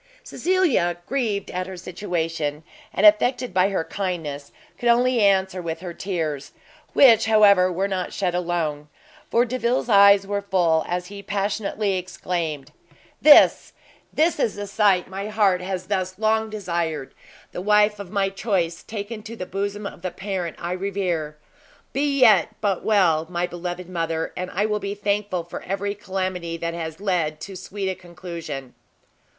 Cecilia, grieved at her situation, and affected by her kindness, could only answer with her tears; which, however, were not shed alone; for Delvile's eyes were full, as he passionately exclaimed, "This, this is the sight my heart has thus long desired! the wife of my choice taken to the bosom of the parent I revere! be yet but well, my beloved mother, and I will be thankful for every calamity that has led to so sweet a conclusion!"